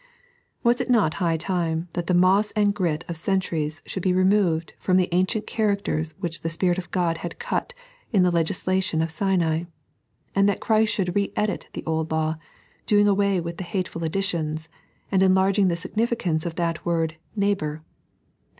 Was it not high time that the moss and grit of centuries should be removed from the ancient characters which the Spirit of God had cut in the legislation of Sinai, and that Christ should re edit the old law, doing away with the ha'^ul additions, and enlarging the significance of that word " neighbour."